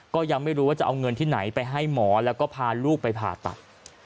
ก็ยังไม่รู้ว่าจะเอาเงินที่ไหนไปให้หมอแล้วก็พาลูกไปผ่าตัด